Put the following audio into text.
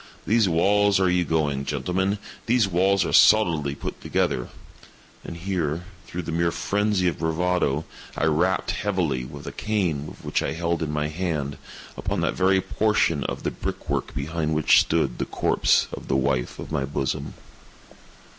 These walls—are you going, gentlemen?—these walls are solidly put together;" and here, through the mere phrenzy of bravado, I rapped heavily, with a cane which I held in my hand, upon that very portion of the brick work behind which stood the corpse of the wife of my bosom.